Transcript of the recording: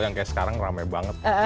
yang kayak sekarang rame banget